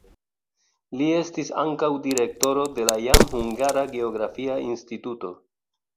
Li estis ankaŭ direktoro de la jam hungara geografia instituto.